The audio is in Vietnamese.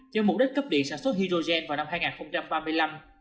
cho mục đích cấp điện sản xuất hydrogen vào năm hai nghìn ba mươi năm